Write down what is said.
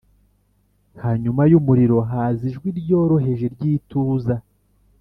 Hanyuma y’umuriro haza ijwi ryoroheje ry’ituza